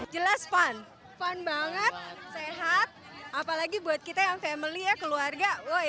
jelas fun fun banget sehat apalagi buat kita yang family ya keluarga